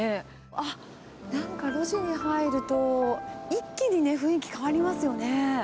あっ、なんか路地に入ると、一気にね、雰囲気変わりますね。